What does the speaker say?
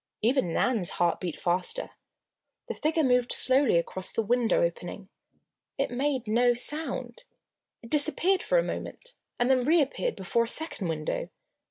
Even Nan's heart beat faster. The figure moved slowly across the window opening. It made no sound. It disappeared for a moment and then reappeared before a second window.